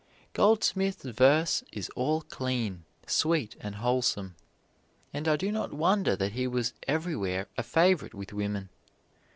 Goldsmith's verse is all clean, sweet and wholesome, and I do not wonder that he was everywhere a favorite with women.